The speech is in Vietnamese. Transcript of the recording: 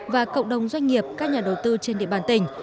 và cộng đồng doanh nghiệp các nhà đầu tư trên địa bàn tỉnh